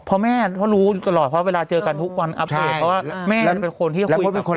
เพราะแม่เขารู้ตลอดเพราะเวลาเจอกันทุกวันใช่เพราะว่าแม่กันเป็นคนที่คุยกับพี่เขา